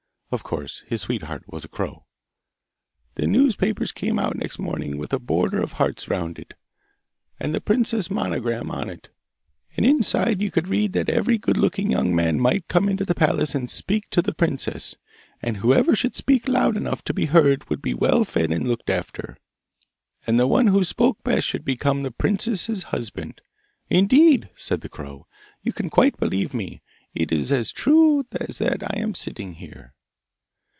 Of course his sweetheart was a crow. 'The newspapers came out next morning with a border of hearts round it, and the princess's monogram on it, and inside you could read that every good looking young man might come into the palace and speak to the princess, and whoever should speak loud enough to be heard would be well fed and looked after, and the one who spoke best should become the princess's husband. Indeed,' said the crow, 'you can quite believe me. It is as true as that I am sitting here.